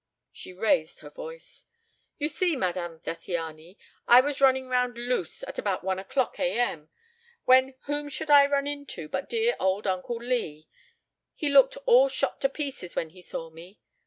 She raised her voice. "You see, Madame Zattiany, I was running round loose at about one o'clock A. M. when whom should I run into but dear old Uncle Lee. He looked all shot to pieces when he saw me.